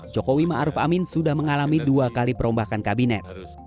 jokowi ma'ruf amin sudah mengalami dua kali perombakan kabinet